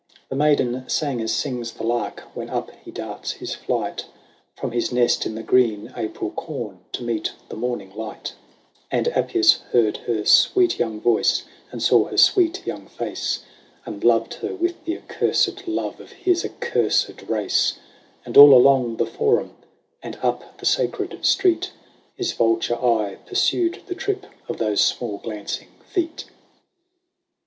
The maiden sang as sings the lark, when up he darts his flight, From his nest in the green April corn, to meet the morning light ; And Appius heard her sweet young voice, and saw her sweet young face, And loved her with the accursed love of his accursed race, And all along the Forum, and up the Sacred Street, His vulture eye pursued the trip of those small glancing feet.